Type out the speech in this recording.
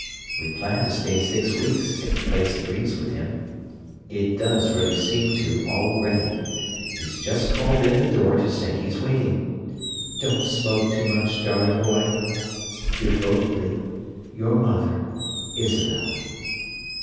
We plan to stay six weeks if the place agrees with him. It does really seem to already! He's just called in the door to say he's waiting. Don't smoke too much, darling boy. Devotedly, your mother Isabel.